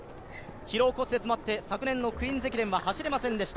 疲労骨折もあって、昨年のクイーンズ駅伝は走れませんでした。